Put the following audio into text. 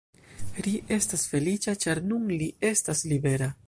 Ri estas feliĉa, ĉar nun li estas libera.